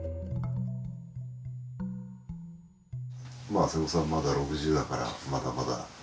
まあ世古さんまだ６０だからまだまだ。